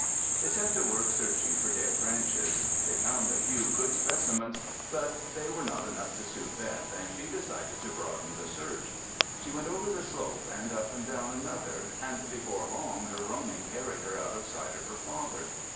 They set to work searching for dead branches. They found a few good specimens. But they were not enough to suit Beth and she decided to broaden the search. She went over the slope and up and down another, and before long her roaming carried her out of sight of her father.